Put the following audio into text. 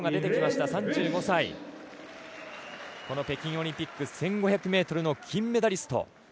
北京オリンピック１５００ｍの金メダリスト。